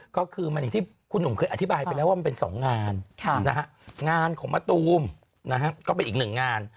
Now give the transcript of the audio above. ก็คือมันอย่างที่คุณหนุ่มเคยอธิบายไปแล้วว่ามันเป็น๒งานงานของมะตูมนะฮะก็เป็นอีกหนึ่งงาน